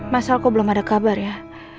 masal kok belum ada kabar ya